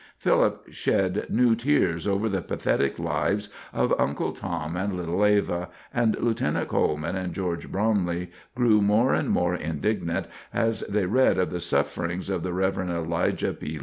Philip shed new tears over the pathetic lives of Uncle Tom and little Eva, and Lieutenant Coleman and George Bromley grew more and more indignant as they read of the sufferings of the Rev. Elijah P.